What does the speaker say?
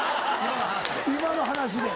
今の話で。